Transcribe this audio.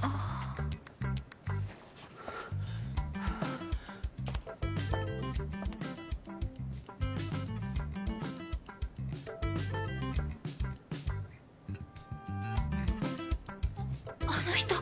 あっあの人。